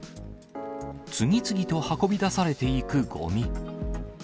次々と運び出されていくごみ。